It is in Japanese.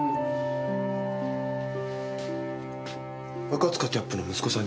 赤塚キャップの息子さんに？